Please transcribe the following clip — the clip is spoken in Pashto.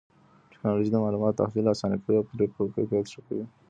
ټکنالوژي د معلوماتو تحليل آسانه کوي او پرېکړو کيفيت ښه کوي.